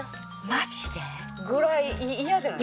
マジで？ぐらい嫌じゃない？